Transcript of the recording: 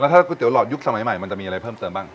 ถ้าก๋วหลอดยุคสมัยใหม่มันจะมีอะไรเพิ่มเติมบ้าง